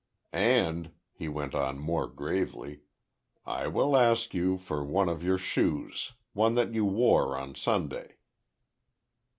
"And," he went on, more gravely, "I will ask you for one of your shoes—one that you wore on Sunday."